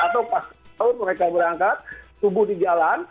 atau pasca tahun mereka berangkat subuh di jalan